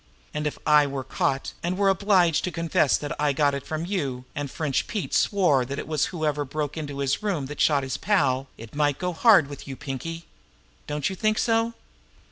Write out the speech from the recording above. And if I were caught and were obliged to confess that I got it from you, and French Pete swore that it was whoever broke into the room that shot his pal, it might go hard with you, Pinkie don't you think so?"